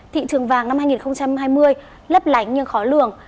thị trường vàng năm hai nghìn hai mươi lấp lánh nhưng khó lường